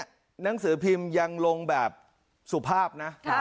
หนังสือพิมพ์ยังลงแบบสุภาพนะ